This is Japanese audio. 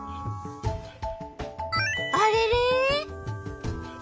あれれ？